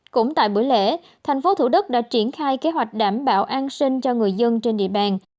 cũng tại buổi lễ thành phố thủ đức đã triển khai kế hoạch đảm bảo an sinh cho người dân trên địa bàn